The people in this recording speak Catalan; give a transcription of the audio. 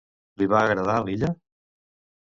Li va agradar l'illa?